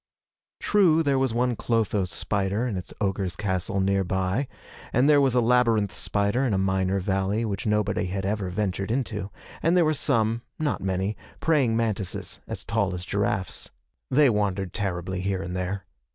True, there was one clotho spider in its ogre's castle nearby, and there was a labyrinth spider in a minor valley which nobody had ever ventured into, and there were some not many praying mantises as tall as giraffes. They wandered terribly here and there.